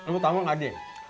lu tau gak adik